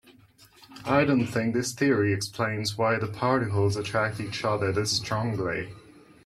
I don't think this theory explains why the particles attract each other this strongly.